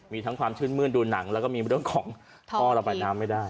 มีทั้งความชื่นมื้นดูหนังแล้วก็มีเรื่องของท่อระบายน้ำไม่ได้